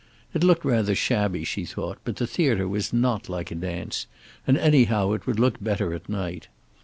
It looked rather shabby, she thought, but the theater was not like a dance, and anyhow it would look better at night.